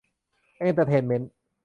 เอ็นเตอร์เทนเมนต์